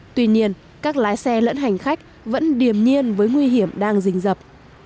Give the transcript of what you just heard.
tuy nhiên các lái xe lẫn hành khách vẫn điềm nhiên với nguy hiểm đang dình dập